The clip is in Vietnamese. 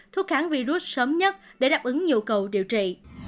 thuốc kháng virus sớm nhất để đáp ứng nhu cầu điều trị